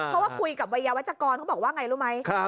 เพราะว่าคุยกับวัยวัชกรเขาบอกว่าไงรู้ไหม